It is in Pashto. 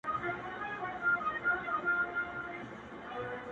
مور لږ هوش ته راځي خو لا هم کمزورې ده،